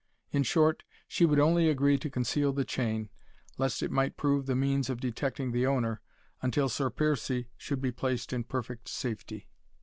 In short, she would only agree to conceal the chain, lest it might prove the means of detecting the owner, until Sir Piercie should be placed in perfect safety.